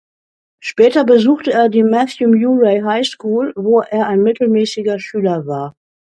Später besuchte er die Matthew Murray High School, wo er ein mittelmäßiger Schüler war.